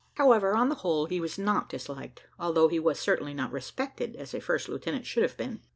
However, on the whole, he was not disliked, although he was certainly not respected as a first lieutenant should have been.